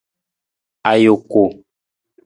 Ajuku.